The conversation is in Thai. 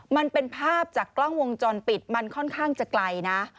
มันเป็นภาพจากกล้องวงจรปิดมันค่อนข้างจะไกลนะ